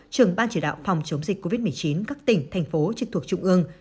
trưởng ban chỉ đạo phòng chống dịch covid một mươi chín các tỉnh thành phố trực thuộc trung ương